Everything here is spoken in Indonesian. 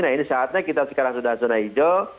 nah ini saatnya kita sekarang sudah zona hijau